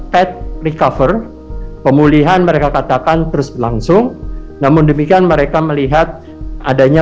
terima kasih pemulihan mereka katakan terus berlangsung namun demikian mereka melihat adanya